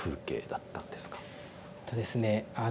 えとですね